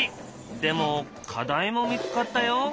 でも課題も見つかったよ。